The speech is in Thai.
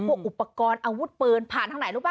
อุปกรณ์อาวุธปืนผ่านทางไหนรู้ป